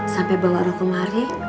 sampai bawa robi kemari